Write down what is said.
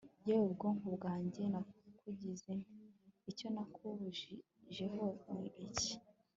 yewe bwoko bwanjye nakugize nte? icyo nakuruhijeho ni iki